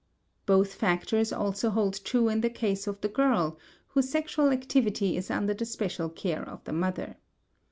Both factors also hold true in the case of the girl whose sexual activity is under the special care of the mother.